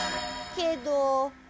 けど？